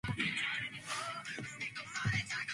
The more commonly heard voice was that of actor Todd Susman.